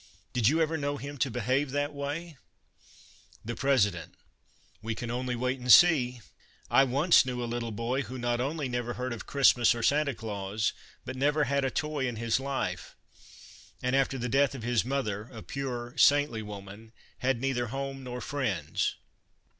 Did you ever know him to behave that way ?" The President :" We can only wait and see. I once knew a little boy who not only never heard of Christmas or Sancta Clans, but never had a toy in his life ; and after the death of his mother, a pure, saintly woman, had neither home nor friends."